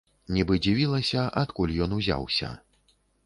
Нібы дзівілася, адкуль ён узяўся.